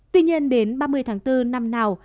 tuy nhiên đến ba mươi tháng bốn năm nào